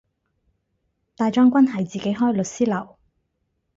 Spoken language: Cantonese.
大將軍係自己開律師樓